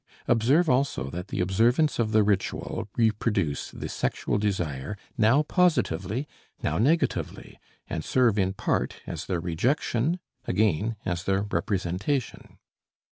Observe also that the observance of the ritual reproduce the sexual desire now positively, now negatively, and serve in part as their rejection, again as their representation.